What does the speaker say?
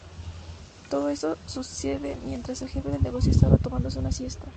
Todo esto sucede mientras el jefe del negocio estaba tomándose una siesta.